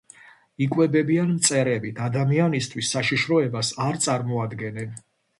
იკვებებიან მწერებით, ადამიანისთვის საშიშროებას არ წარმოადგენენ.